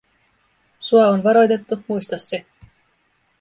Sua on varoitettu, muista se!"